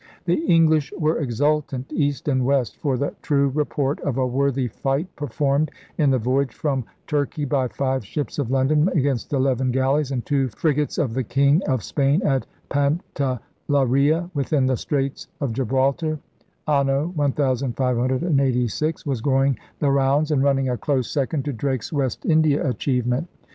The English were exultant, east and west; for the True Report of a Worthie Fight per formed in the voiage from Turhie by Five Shippes of London against 11 g allies and two frig ats of the King of Spain at Pantalarea, within the Straits [of Gib raltar] Anno 1586 was going the rounds and running a close second to Drake's West India achievement.